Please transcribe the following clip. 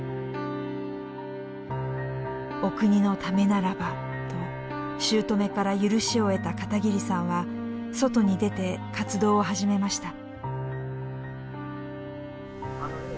お国のためならばと姑から許しを得た片桐さんは外に出て活動を始めました。